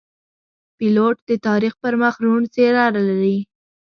پیلوټ د تاریخ پر مخ روڼ څېره لري.